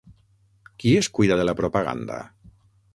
Qui es cuida de la propaganda?